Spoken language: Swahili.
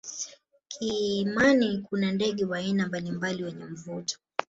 kimani kuna ndege wa aina mbalimbali wenye mvuto